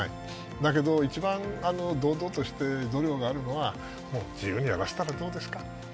だけど一番堂々として度量があるのは自由にやらせたらどうですか。